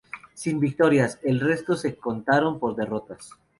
Sin victorias, el resto se contaron por derrotas.